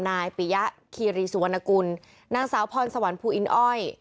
นายปิยะคีรีสุวรรณกุลนางสาวพรสวรรค์ภูอินอ้อย